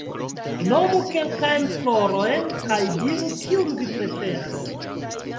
Nomu kelkajn florojn kaj diru, kiun vi preferas?